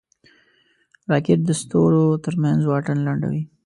راکټ د ستورو ترمنځ واټن لنډوي